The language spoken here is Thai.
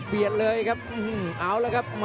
ชาเลน์